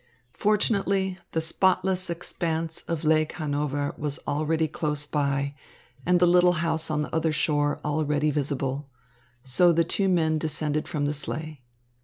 Fortunately, the spotless expanse of Lake Hanover was already close by and the little house on the other shore already visible. So the two men descended from the sleigh.